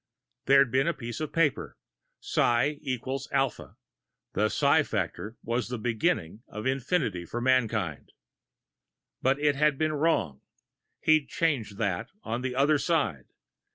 There'd been a piece of paper psi equals alpha, the psi factor was the beginning of infinity for mankind. But it had been wrong. He'd changed that, on the other side.